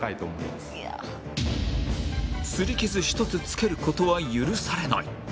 すり傷ひとつつける事は許されない